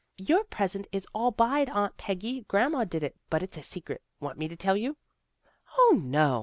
' Your present is all buyed, Aunt Peggy. Grandma did it, but it's a secret. Want me to tell you? "" O, no!